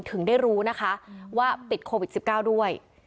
ถึงได้รู้นะคะว่าติดโควิด๑๙ด้วย